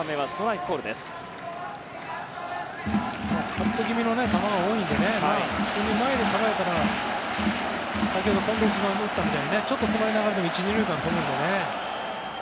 カット気味の球が多いので普通に前で捉えたら先ほど近藤君が打ったようにちょっと詰まりながらでも１、２塁間に飛ぶのでね。